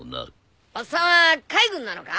おっさんは海軍なのか？